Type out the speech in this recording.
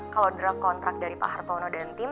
kalau draft kontrak dari pak hartono dan tim